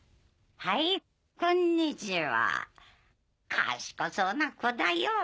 はいこんにちは賢そうな子だよぉ。